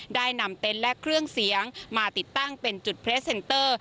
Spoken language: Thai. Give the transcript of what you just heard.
ได้นำเต็นต์และเครื่องเสียงมาติดตั้งเป็นจุดเพลสเซนเตอร์